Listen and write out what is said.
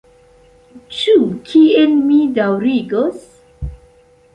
Ĉu kiel mi daŭrigos?..